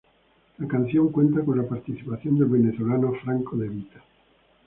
La canción cuenta con la participación del venezolano Franco De Vita.